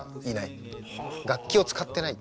楽器を使ってない。